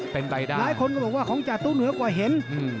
หลายคนก็บอกว่าของจ่าตู้เหนือกว่าเห็น